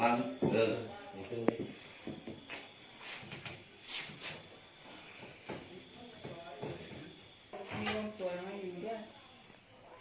อันนี้เลยอืมเออตรงนี้ตรงนี้เห็นไหมล้างล้างเออล้าง